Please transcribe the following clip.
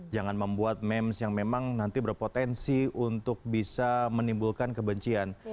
jangan membuat memes yang memang nanti berpotensi untuk bisa menimbulkan kebencian